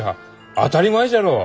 当たり前じゃろう！